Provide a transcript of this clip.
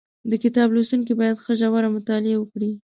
د کتاب لوستونکي باید ښه ژوره مطالعه وکړي